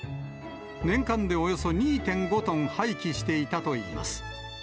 年間でおよそ２．５トン廃棄していたといいます。